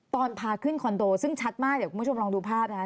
ตอนพาขึ้นคอนโดซึ่งชัดมากเดี๋ยวคุณผู้ชมลองดูภาพนะคะ